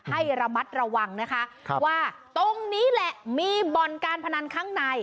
ให้ระมัดระวังนะคะว่าตรงนี้แหละมีบ่อนการพนันข้างใน